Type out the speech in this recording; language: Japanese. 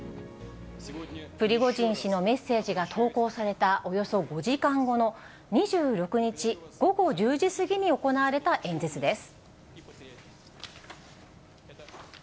プリゴジン氏のメッセージが投稿されたおよそ５時間後の２６日午後１０時過ぎに行われた演説です。